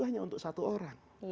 hanya untuk satu orang